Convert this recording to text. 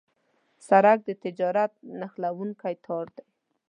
سړک د تجارت نښلونکی تار دی.